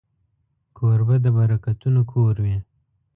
کوربه د برکتونو کور وي.